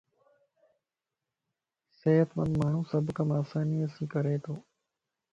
صحتمند ماڻھو سڀ ڪم آسانيءَ سين ڪري تو.